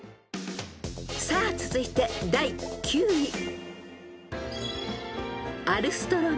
［さあ続いて第９位］